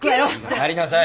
帰りなさい！